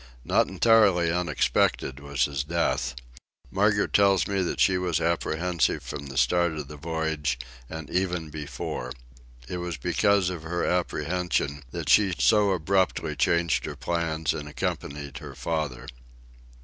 Not entirely unexpected was his death. Margaret tells me that she was apprehensive from the start of the voyage—and even before. It was because of her apprehension that she so abruptly changed her plans and accompanied her father.